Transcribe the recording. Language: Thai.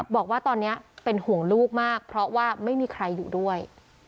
บอกว่าตอนนี้เป็นห่วงลูกมากเพราะว่าไม่มีใครอยู่ด้วย